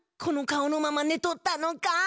この顔のままねとったのか。